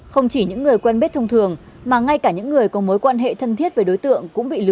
không chỉ những người quen bết thông thường mà ngay cả những người có mối quan hệ thân thiết với đối tượng